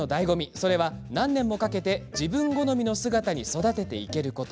それは何年もかけて自分好みの姿に育てていけること。